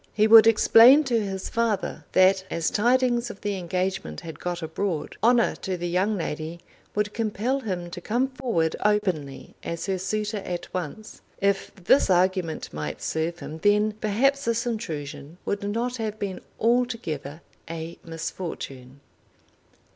He would explain to his father that as tidings of the engagement had got abroad, honour to the young lady would compel him to come forward openly as her suitor at once. If this argument might serve him, then perhaps this intrusion would not have been altogether a misfortune.